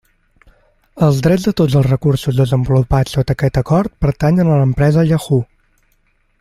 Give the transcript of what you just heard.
Els drets de tots els recursos desenvolupats sota aquest acord pertanyen a l'empresa Yahoo.